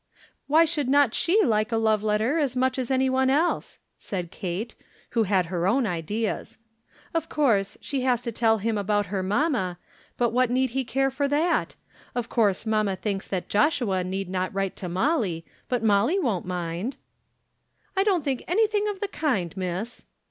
"Why should not she like a love letter as much as any one else?" said Kate, who had her own ideas. "Of course she has to tell him about her mamma, but what need he care for that? Of course mamma thinks that Joshua need not write to Molly, but Molly won't mind." "I don't think anything of the kind, miss."